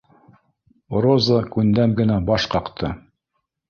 Роза күндәм генә баш ҡаҡты: